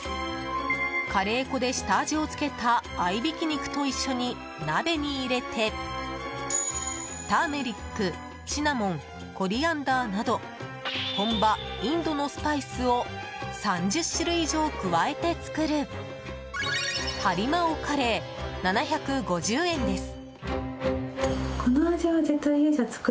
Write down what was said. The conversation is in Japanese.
カレー粉で下味を付けた合いびき肉と一緒に鍋に入れてターメリック、シナモンコリアンダーなど本場インドのスパイスを３０種類以上加えて作るハリマオカレー、７５０円です。